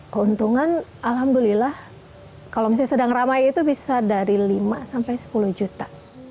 keuntungan alhamdulillah kalau misalnya sedang ramai itu bisa dari lima sampai sepuluh juta